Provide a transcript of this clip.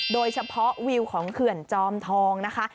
โดยเฉพาะวิวของเขื่อนจอมทองนะคะ